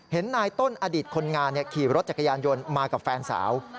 เห็นนายต้นอดีตคนงานขี่รถจักรยานยนต์มากับแฟนสาว